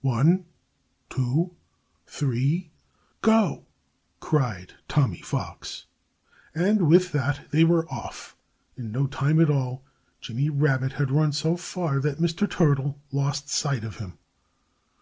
"One, two, three go!" cried Tommy Fox. And with that they were off. In no time at all Jimmy Rabbit had run so far that Mr. Turtle lost sight of him.